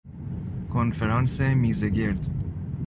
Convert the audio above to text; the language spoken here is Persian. کنفرانس میز گرد